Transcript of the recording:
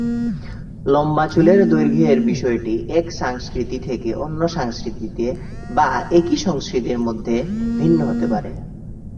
লম্বা চুলের দৈর্ঘ্যের বিষয়টি এক সংস্কৃতি থেকে অন্য সংস্কৃতিতে বা একই সংস্কৃতির মধ্যেও ভিন্ন হতে পারে।